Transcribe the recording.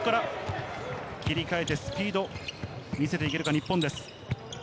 切り替えてスピード、見せていけるか、日本です。